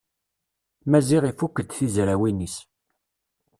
Maziɣ ifukk-d tizrawin-is.